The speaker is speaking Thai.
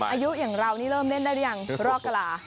อายุอย่างเรานี่เริ่มเล่นได้หรือยังรอกกะลา